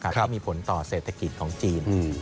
ที่มีผลต่อเศรษฐกิจของจีน